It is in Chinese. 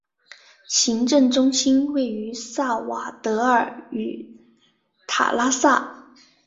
行政中心位于萨瓦德尔与塔拉萨。